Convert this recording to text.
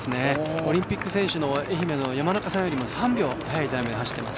オリンピック選手の愛媛の山中さんよりも３秒速いタイムで走っています。